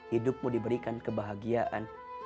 hidupmu diberikan kebahagiaan